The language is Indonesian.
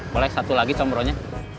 boleh satu lagi combronya